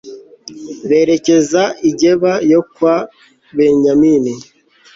berekeza i geba yo kwa benyamini